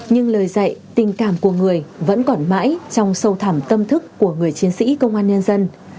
nhưng lời dạy tình cảm của người vẫn còn mãi trong sâu thẳm tâm thức của người chiến sĩ công an nhân dân